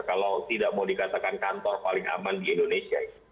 kalau tidak mau dikatakan kantor paling aman di indonesia